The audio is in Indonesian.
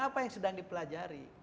apa yang sedang dipelajari